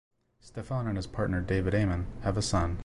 Stefan and his partner David Amen have a son.